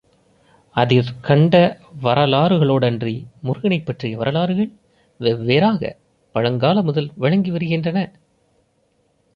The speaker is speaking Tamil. அதிற் கண்ட வரலாறுகளோடன்றி முருகனைப் பற்றிய வரலாறுகள் வெவ்வேறாகப் பழங்கால முதல் வழங்கி வருகின்றன.